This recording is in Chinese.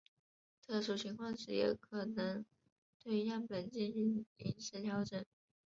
特殊情况时也可能对样本进行临时调整。